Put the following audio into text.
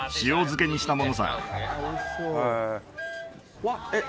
うわあえっ？